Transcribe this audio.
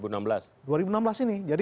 jadi kita berhubungan